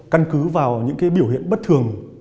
căn cứ vào những biểu hiện bất thường